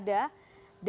dan ini masih ada